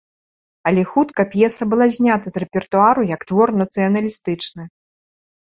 Але хутка п'еса была знята з рэпертуару як твор нацыяналістычны.